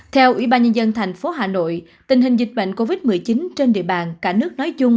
theo ubnd tp hà nội tình hình dịch bệnh covid một mươi chín trên địa bàn cả nước nói chung